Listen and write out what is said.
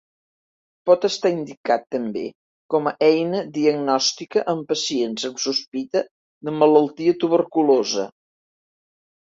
Pot estar indicat també com a eina diagnostica en pacients amb sospita de malaltia tuberculosa.